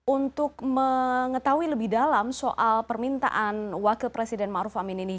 untuk mengetahui lebih dalam soal permintaan wakil presiden maruf amin ini